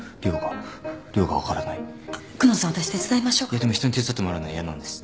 いやでも人に手伝ってもらうのは嫌なんです。